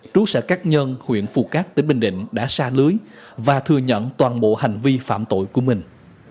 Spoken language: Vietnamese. trú xã cát nhân huyện phù cát tỉnh bình định đã xa lưới và thừa nhận toàn bộ hành vi phạm tội của mình